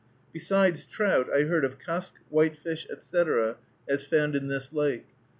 Besides trout, I heard of cusk, whitefish, etc., as found in this lake.